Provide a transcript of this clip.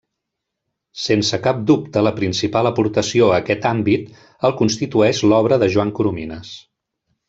Sense cap dubte la principal aportació a aquest àmbit el constitueix l'obra de Joan Coromines.